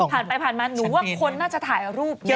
ผ่านไปผ่านมาหนูว่าคนน่าจะถ่ายรูปเยอะ